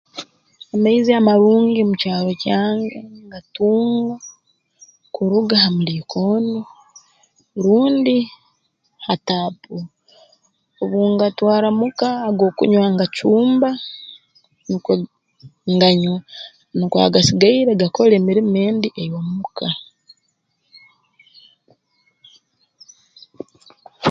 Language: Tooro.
Amaizi amarungi mu kyaro kyange ngatunga kuruga ha muliikondo rundi ha taapu obu ngatwara muka ag'okunywa ngacumba nukwo nganywa nukwo agasigaire gakora emirimo endi ey'omuka